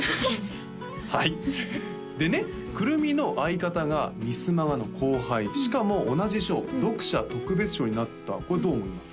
はいでね９６３の相方がミスマガの後輩しかも同じ賞読者特別賞になったこれどう思います？